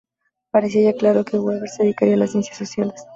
Parecía ya claro entonces que Weber se dedicaría a las ciencias sociales.